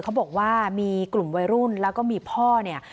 เขาบอกว่ามีกลุ่มวัยรุ่นแล้วก็มีพ่อเนี่ย